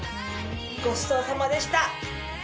ごちそうさまでした。